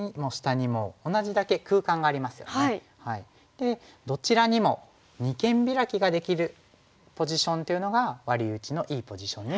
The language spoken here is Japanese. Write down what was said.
でどちらにも二間ビラキができるポジションっていうのがワリ打ちのいいポジションになります。